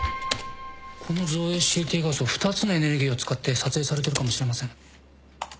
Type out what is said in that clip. この造影ＣＴ画像２つのエネルギーを使って撮影されてるかもしれません。